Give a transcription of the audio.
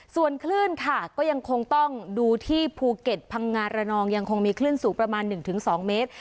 ส่วนคลื่นค่ะก็ยังคงต้องดูที่ภูเก็ตพังงานระนองยังคงมีคลื่นสูงประมาณ๑๒เมตร